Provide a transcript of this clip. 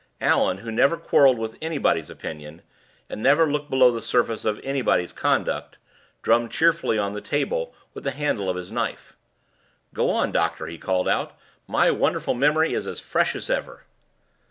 Allan, who never quarreled with anybody's opinion, and never looked below the surface of anybody's conduct, drummed cheerfully on the table with the handle of his knife. "Go on, doctor!" he called out; "my wonderful memory is as fresh as ever."